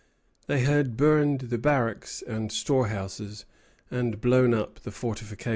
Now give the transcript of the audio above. They had burned the barracks and storehouses, and blown up the fortifications.